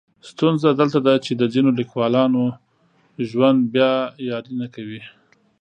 ستونزه دلته ده چې د ځینو لیکولانو ژوند بیا یاري نه کوي.